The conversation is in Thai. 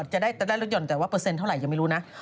จะได้รถยนต์แต่ว่าเปอร์เซ็นเท่าไหร่ยังไม่รู้นะ